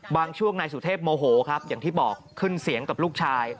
ช่วงนายสุเทพโมโหครับอย่างที่บอกขึ้นเสียงกับลูกชาย